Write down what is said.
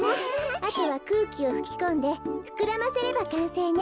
あとはくうきをふきこんでふくらませればかんせいね。